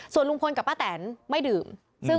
ทั้งหลวงผู้ลิ้น